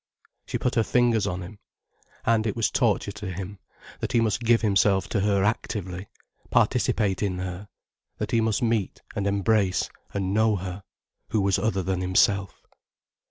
She put her fingers on him. And it was torture to him, that he must give himself to her actively, participate in her, that he must meet and embrace and know her, who was other than himself.